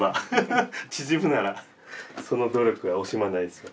縮むならその努力は惜しまないです。